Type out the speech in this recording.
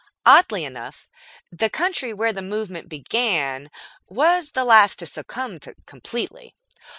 Oddly enough, the country where the movement began was the last to succumb completely.